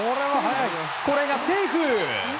これがセーフ！